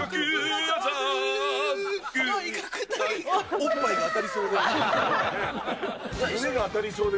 おっぱいが当たりそうで。